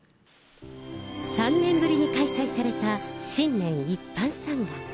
３年ぶりに開催された新年一般参賀。